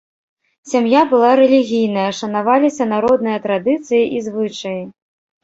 Сям'я была рэлігійная, шанаваліся народныя традыцыі і звычаі.